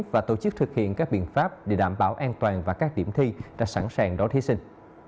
và tổ chức thực hiện các biện pháp để đảm bảo an toàn và các điểm thi đã sẵn sàng đón thí sinh